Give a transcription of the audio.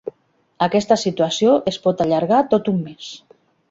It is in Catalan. Aquesta situació es pot allargar tot un mes.